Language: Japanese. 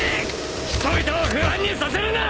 人々を不安にさせるな！